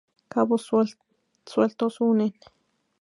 Cabos sueltos unen.